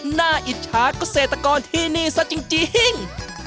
หน้าอิจฉากก็เศรษฐกรที่นี่ซะจริง